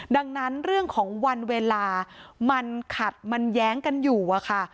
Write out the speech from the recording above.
ดังนั้นเรื่องของวันเวลามันขัดมันแย้งกันอยู่อะค่ะ